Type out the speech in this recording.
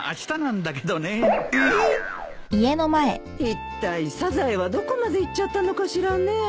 いったいサザエはどこまで行っちゃったのかしらね。